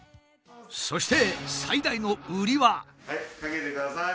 そしてはいかけてください。